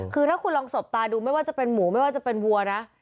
คือถ้าคุณลองสบตาดูไม่ว่าจะเป็นหมูไม่ว่าจะเป็นวัวนะ